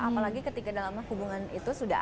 apalagi ketika dalam hubungan itu sudah ada